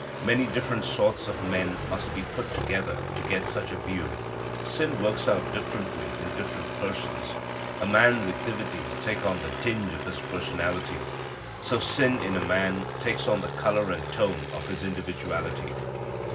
Many different sorts of men must be put together to get such a view. Sin works out differently in different persons. A man's activities take on the tinge of his personality. So sin in a man takes on the color and tone of his individuality.